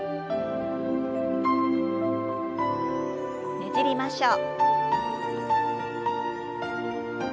ねじりましょう。